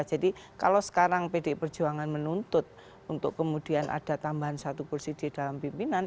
jadi kalau sekarang pd perjuangan menuntut untuk kemudian ada tambahan satu kursi di dalam pimpinan